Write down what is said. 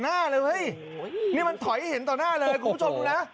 หน้าเลยเฮ้ยนี่มันถอยให้เห็นต่อหน้าเลยคุณผู้ชมดูนะ